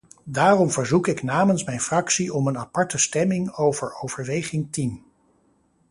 Daarom verzoek ik namens mijn fractie om een aparte stemming over overweging tien.